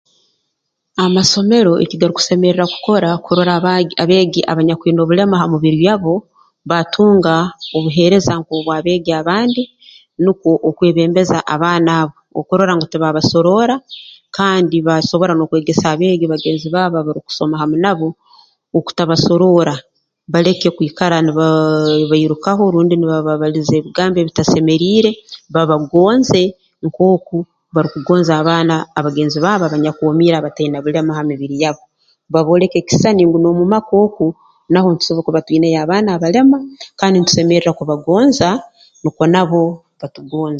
Amasomero ekigarukusemerra kukora kurora abaa abeegi abanyakwine obulemu ha mibiri yabo baatunga obuheereza nk'obw'abeegi abandi nukwo okwebembeza abaana abo okurora tibaabasoroora kandi baasobora n'okwegesa abeegi bagenzi baabo abarukusoma hamu nabo okutabasoroora baleke kwikara nibaa bairukaho rundi nibabaliza ebigambo ebitasemeriire babagonze nk'oku barukugonza abaana abagenzi baabo abanyakwomiire abataine bulema ha mibiri yabo babooleke ekisisani ngu n'omu maka oku naho ntusobora kuba twineyo abaana abalema kandi ntusemerra kubagonza nukwo nabo batugonze